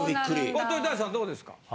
これ鳥谷さんどうですか？